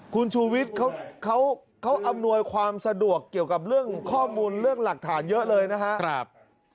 คุณชูวิทย์เขาอำนวยความสะดวกเกี่ยวกับเรื่องข้อมูลเรื่องหลักฐานเยอะเลยนะครับ